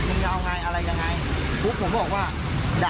มันก็เลยกลายเป็นว่าเหมือนกับยกพวกมาตีกัน